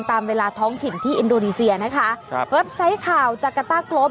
ตามเวลาท้องถิ่นที่อินโดนีเซียนะคะครับ